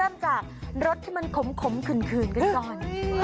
เริ่มจากรสที่มันขมขื่นกันก่อน